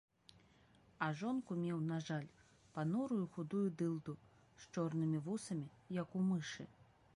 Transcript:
А жонку меў, на жаль, панурую худую дылду, з чорнымі вусамі, як у мышы.